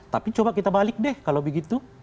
tapi coba kita balik deh kalau begitu